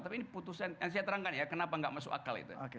tapi ini putusan yang saya terangkan ya kenapa nggak masuk akal itu